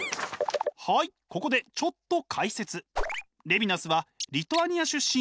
はいここでちょっと解説！